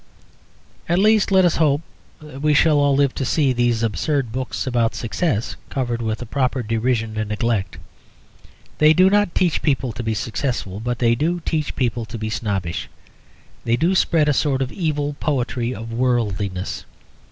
At least, let us hope that we shall all live to see these absurd books about Success covered with a proper derision and neglect. They do not teach people to be successful, but they do teach people to be snobbish; they do spread a sort of evil poetry of worldliness.